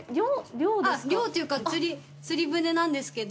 漁というか釣り、釣り船なんですけど。